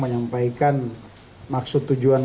menyampaikan maksud tujuan